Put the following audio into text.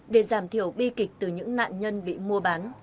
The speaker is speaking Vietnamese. để giảm thiểu bi kịch từ những nạn nhân bị mua bán